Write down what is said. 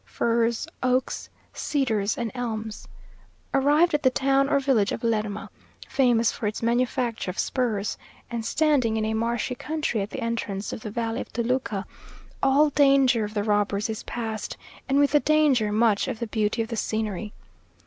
firs, oaks, cedars, and elms. Arrived at the town or village of Lerma, famous for its manufacture of spurs, and standing in a marshy country at the entrance of the valley of Toluca, all danger of the robbers is passed, and with the danger, much of the beauty of the scenery.